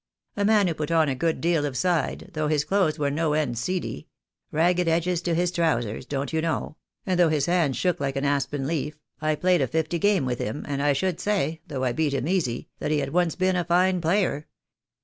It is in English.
A man who put on a good deal of side, though his clothes were no end seedy — ragged edges to his trousers, don't you know — and though his hand shook like an aspen leaf. I played a fifty game with him, and I should say, though I beat him easy, that he had once been a fine player.